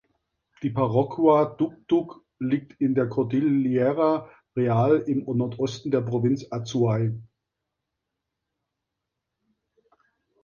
Die Parroquia Dug Dug liegt in der Cordillera Real im Nordosten der Provinz Azuay.